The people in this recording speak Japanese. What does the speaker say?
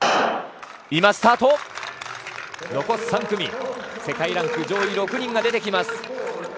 残す３組世界ランク上位６人が出てきます。